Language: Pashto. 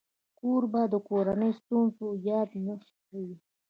کوربه د کورنۍ ستونزو یاد نه کوي.